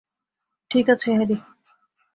ঠিক আছে, হ্যারি।